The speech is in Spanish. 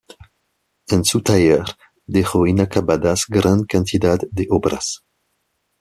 En su taller dejó inacabadas gran cantidad de obras.